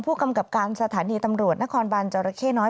ผู้กำกับการสถานีตำรวจนครบันจรเข้น้อย